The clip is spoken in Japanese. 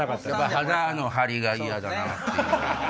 肌のハリが嫌だなっていう。